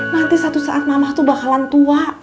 nanti satu saat mamah tuh bakalan tua